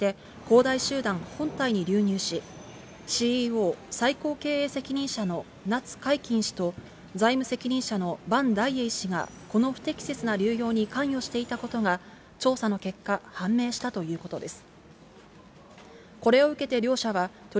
その一部が第三者を通じて、恒大集団本体に流入し、ＣＥＯ・最高経営責任者の夏海鈞氏と財務責任者の潘大栄氏がこの不適切な流用に関与していたことが調査の結果判明したということです。